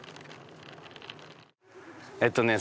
えっとね